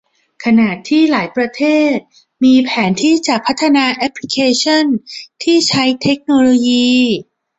ขณะที่หลายประเทศมีแผนที่จะพัฒนาแอพลิเคชันที่ใช้เทคโนโลยี